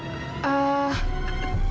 bu ambar nya ada kan